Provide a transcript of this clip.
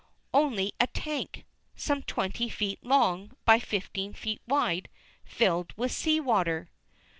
Only a tank, some twenty feet long by fifteen feet wide, filled with sea water!